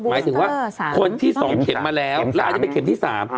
หมายถึงว่าคนที่๒เข็มมาแล้วแล้วอันนี้เป็นเข็มที่๓